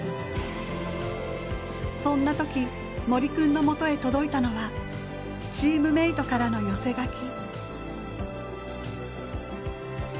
そんなとき、森君のもとへ届いたのはチームメイトからの寄せ書き。